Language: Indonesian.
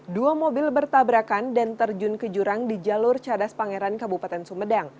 dua mobil bertabrakan dan terjun ke jurang di jalur cadas pangeran kabupaten sumedang